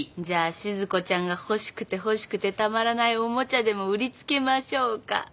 じゃあしず子ちゃんが欲しくて欲しくてたまらないおもちゃでも売り付けましょうか。